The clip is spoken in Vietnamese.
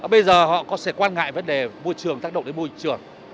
bây giờ họ sẽ quan ngại vấn đề môi trường tác động đến môi trường